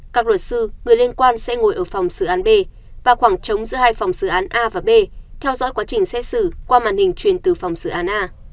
các luật sư người liên quan sẽ ngồi ở phòng xử án b và khoảng trống giữa hai phòng xử án a và b theo dõi quá trình xét xử qua màn hình truyền từ phòng xử án a